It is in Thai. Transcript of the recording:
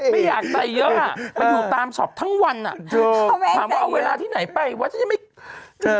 เขาไม่ใส่เยอะถามว่าเอาเวลาที่ไหนไปว่าจะไม่